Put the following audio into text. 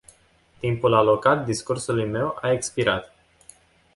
Timpul alocat discursului meu a expirat.